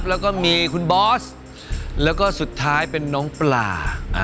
แล้วก็มีคุณบอสแล้วก็สุดท้ายเป็นน้องปลา